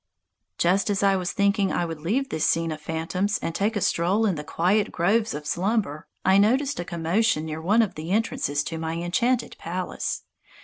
Just as I was thinking I would leave this scene of phantoms and take a stroll in the quiet groves of Slumber I noticed a commotion near one of the entrances to my enchanted palace.